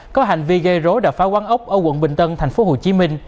có hành vi gây rối đập phá quán ốc ở quận bình tân tp hcm